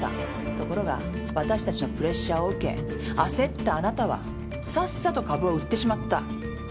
ところがわたしたちのプレッシャーを受け焦ったあなたはさっさと株を売ってしまった。